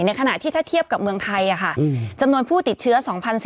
ขณะที่ถ้าเทียบกับเมืองไทยจำนวนผู้ติดเชื้อ๒๔๐